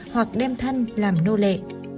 hoặc đem thân làm nô lệ